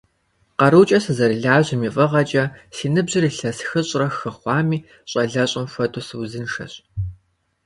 КъарукӀэ сызэрылажьэм и фӀыгъэкӀэ, си ныбжьыр илъэс хыщӏрэ хы хъуами, щӀалэщӀэм хуэдэу, сыузыншэщ.